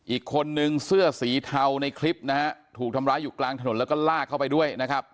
อีกคนนึงเสื้อสีเทาในคลิปนะฮะถูกทำร้ายอยู่กลางถนนแล้วก็ลากเข้าไปด้วยนะครับ